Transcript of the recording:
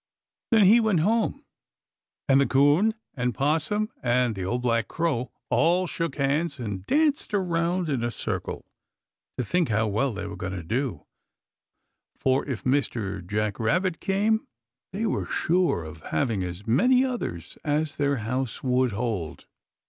Then he went home and the 'Coon and 'Possum and the Old Black Crow all shook hands and danced around in a circle to think how well they were going to do, for if Mr. Jack Rabbit came they were sure of having as many others as their house would hold.